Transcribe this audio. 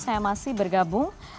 saya masih bergabung